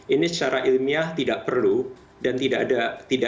ini secara ilmiah tidak perlu dan saya tidak melihat apa relevansinya